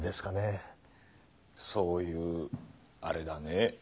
そういうアレだね。